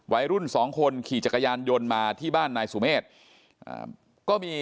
วัยรุ่นสองคนขี่จักรยานยนต์มาที่บ้านนายสุเมฆก็มี